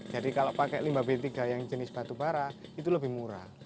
jadi kalau pakai limbah b tiga yang jenis batu bara itu lebih murah